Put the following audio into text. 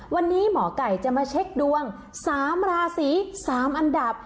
วันนี้หมอไก่จะมาเช็คดวง๓ราศี๓อันดับ